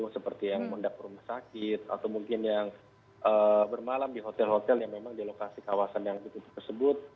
seperti yang mendap rumah sakit atau mungkin yang bermalam di hotel hotel yang memang di lokasi kawasan yang ditutup tersebut